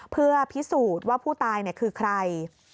เพื่อพิสูจน์ว่าผู้ตายคือใคร